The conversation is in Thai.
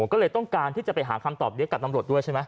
ก็เลยต้องการที่จะไปหาคำตอบเดียวกับตำรวจด้วยใช่ไหม